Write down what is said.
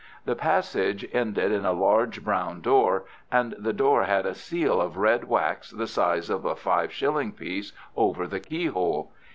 The passage ended in a large, brown door, and the door had a seal of red wax the size of a five shilling piece over the keyhole.